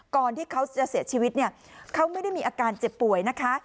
ก่อนที่เขาจะเสียชีวิตเนี่ยเขาไม่ได้มีอาการเจ็บป่วยนะคะ